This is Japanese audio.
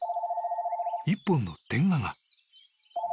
☎［一本の電話が］